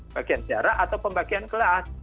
bagian jarak atau pembagian kelas